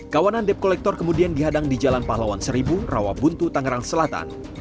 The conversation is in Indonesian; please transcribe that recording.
kawanan debt collector kemudian dihadang di jalan pahlawan seribu rawabuntu tangerang selatan